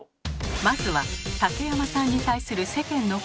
まずは竹山さんに対する世間の声